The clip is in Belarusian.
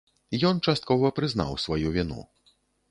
Ён часткова прызнаў сваю віну.